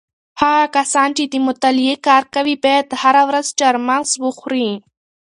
هغه کسان چې د مطالعې کار کوي باید هره ورځ چهارمغز وخوري.